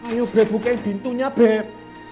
ayo beb buka pintunya beb